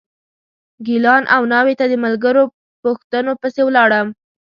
ګیلان او ناوې ته د ملګرو پوښتنو پسې ولاړم.